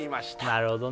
なるほどね